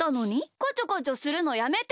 こちょこちょするのやめてよ！